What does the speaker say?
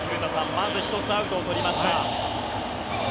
まず１つアウトを取りました。